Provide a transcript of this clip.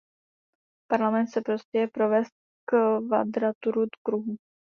Parlament chce prostě provést kvadraturu kruhu.